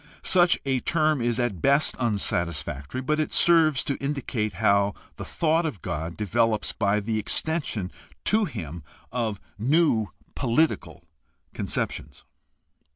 Such a term is at best unsatisfactory, but it serves to indicate how the thought of God develops by the extension to him of new political conceptions.